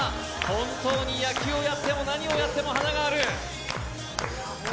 本当に野球をやっても何をやっても華がある。